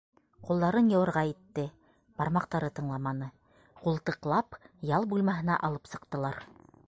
Ҡулдарын йыуырға итте - бармаҡтары тыңламаны Ҡултыҡлап ял бүлмәһенә алып сыҡтылар.